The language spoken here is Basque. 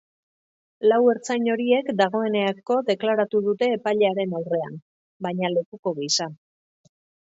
Lau ertzain horiek dagoeneko deklaratu dute epailearen aurrean, baina lekuko gisa.